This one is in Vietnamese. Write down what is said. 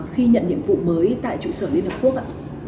khi nhận nhiệm vụ mới tại trụ sở liên hợp quốc ạ